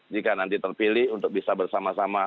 jika nanti terpilih untuk bisa bersama sama